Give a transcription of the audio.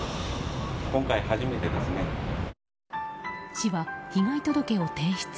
市は被害届を提出。